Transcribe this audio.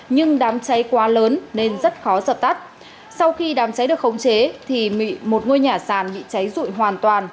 nhưng đám cháy quá lớn nên rất khó dập tắt sau khi đám cháy được khống chế thì một ngôi nhà sàn bị cháy rụi hoàn toàn